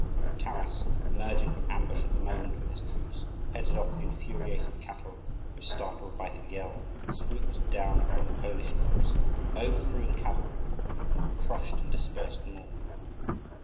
But Taras, emerging from ambush at the moment with his troops, headed off the infuriated cattle, which, startled by his yell, swooped down upon the Polish troops, overthrew the cavalry, and crushed and dispersed them all.